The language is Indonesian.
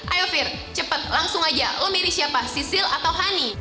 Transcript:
ayo fir cepet langsung aja lo milih siapa sisil atau hany